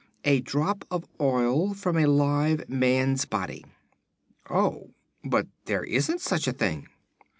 "A drop of oil from a live man's body." "Oh; but there isn't such a thing."